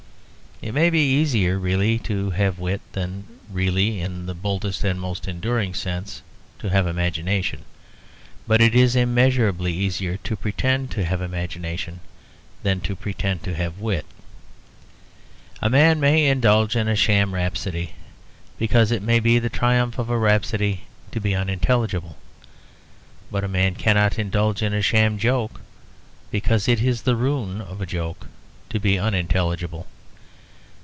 It may be easier really to have wit, than really, in the boldest and most enduring sense, to have imagination. But it is immeasurably easier to pretend to have imagination than to pretend to have wit. A man may indulge in a sham rhapsody, because it may be the triumph of a rhapsody to be unintelligible. But a man cannot indulge in a sham joke, because it is the ruin of a joke to be unintelligible.